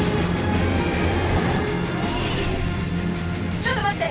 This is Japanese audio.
「ちょっと待って！